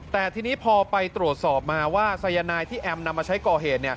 แต่ทีนี้พอไปตรวจสอบมาว่าสายนายที่แอมนำมาใช้ก่อเหตุ